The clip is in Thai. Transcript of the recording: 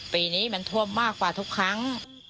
ปีนี้มันท่วมมากกว่าทุกครั้ง